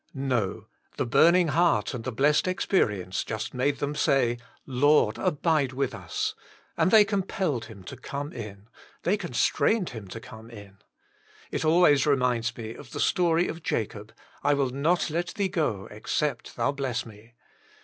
No I The burning heart and the blessed experi ence just made them say^, << Lord, abide with us/' and they compelled Him to come in. They constrained Him to come in. It always reminds me of the story of Jacob, <* I will not let Thee go, except Thou bless me."